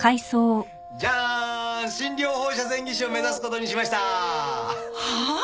じゃーん診療放射線技師を目指すことにしましたはあ？